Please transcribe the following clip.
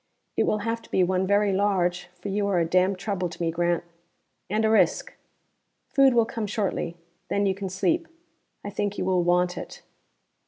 It will have to be one very large, for you are a damn trouble to me, Grant. And a risk. Food will come shortly. Then you can sleep: I think you will want it."